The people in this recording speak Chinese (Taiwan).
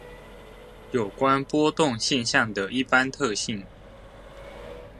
有關波動現象的一般特性